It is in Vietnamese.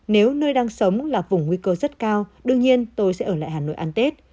nếu nơi đang sống là vùng nguy cơ rất cao đương nhiên tôi sẽ ở lại hà nội ăn tết